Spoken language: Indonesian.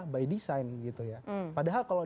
by design gitu ya padahal kalau